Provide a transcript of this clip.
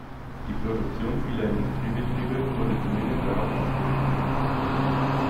Die Produktion vieler Industriebetriebe wurde zunehmend darauf ausgerichtet.